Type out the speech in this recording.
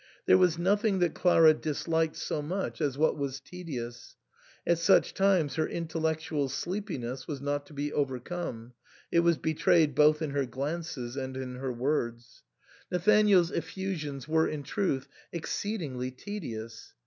There was nothing that Clara dis liked so much as what was tedious ; at such times her intellectual sleepiness was not to be overcome ; it was betrayed both in her glances and in her words. Na 192 THE SAND'MAN. thanaeFs effusions were, in truth, exceedingly tedious.